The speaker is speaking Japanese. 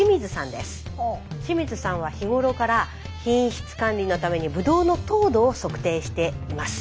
清水さんは日頃から品質管理のためにブドウの糖度を測定しています。